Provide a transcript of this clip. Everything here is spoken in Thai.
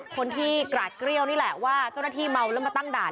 คนที่กราดเกรี้ยวนี่แหละว่าเจ้าหน้าที่เมาแล้วมาตั้งด่าน